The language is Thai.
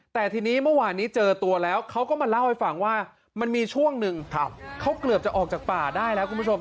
แต่ทีนี้เมื่อวานนี้เจอตัวแล้วเขาก็มาเล่าให้ฟังว่ามันมีช่วงหนึ่งเขาเกือบจะออกจากป่าได้แล้วคุณผู้ชม